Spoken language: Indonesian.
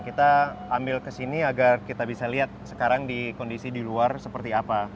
kita ambil ke sini agar kita bisa lihat sekarang di kondisi di luar seperti apa